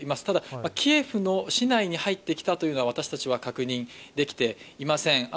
ただ、キエフの市内に入ってきたというのは私たちは確認できていません。